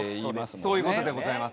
そういう事でございます。